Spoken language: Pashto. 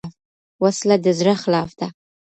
وسله د زړه خلاف ده